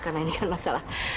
karena ini kan masalah